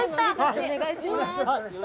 お願いします。